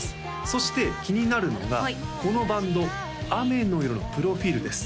そして気になるのがこのバンドアメノイロ。のプロフィールです